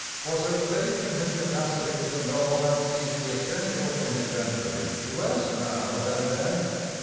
Was her faith in his capacity to know and seize the essential in his venturing, less now than then?